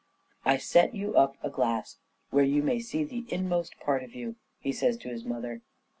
" I set you up a glass Where you may see the inmost part of you," he says to his mother.